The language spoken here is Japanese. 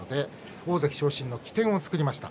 大関昇進の起点を作りました。